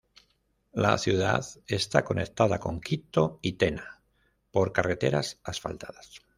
La ciudad está conectada con Quito y Tena por carreteras asfaltadas.